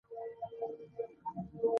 هغه لیکي: د غرونو خلکو وسله نه درلوده،